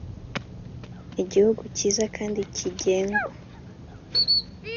igihugu cyiza kandi kigendwa